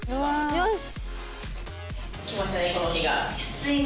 よし。